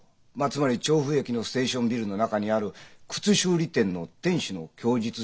つまり調布駅のステーションビルの中にある靴修理店の店主の供述書面だ。